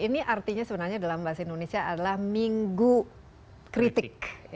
ini artinya sebenarnya dalam bahasa indonesia adalah minggu kritik